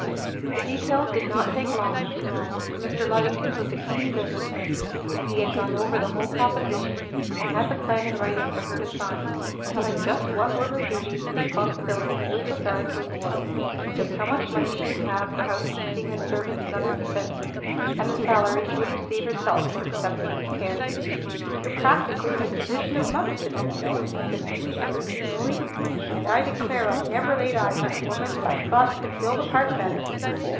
The details did not take long, after all; for Mr. Luddington was a keen business man, and he had gone over the whole proposition, and had the plan in writing for her to sign, telling just what were her duties and responsibilities with regard to his wards, just how much money she would have for housekeeping and servants and other expenses, and the salary she would receive herself for accepting this care. "You're practically in a position of mother to them, you know," he said, beaming at her genially; "and I declare I never laid eyes on a woman that I thought could fill the part better!"